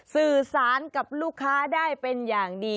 สื่อสารกับลูกค้าได้เป็นอย่างดี